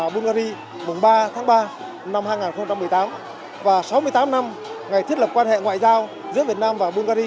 bulgaria ba tháng ba năm hai nghìn một mươi tám và sáu mươi tám năm ngày thiết lập quan hệ ngoại giao giữa việt nam và bulgaria